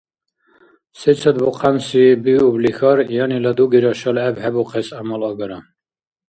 Сецад бухъянси биублихьар, янила дугира шалгӏебхӏебухъес гӏямал агара.